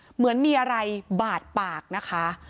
เหมือนมีอะไรบาดปากนะคะ